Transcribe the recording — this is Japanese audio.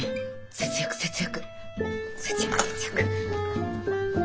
節約節約。